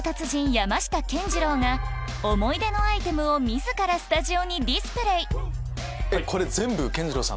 山下健二郎が思い出のアイテムを自らスタジオにディスプレイえっこれ。